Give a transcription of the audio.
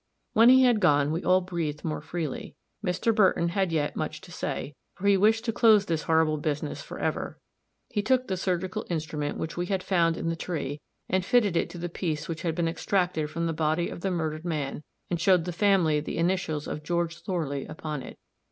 When he had gone, we all breathed more freely. Mr. Burton had yet much to say, for he wished to close this horrible business for ever. He took the surgical instrument which we had found in the tree, and fitted it to the piece which had been extracted from the body of the murdered man, and showed the family the initials of George Thorley upon it.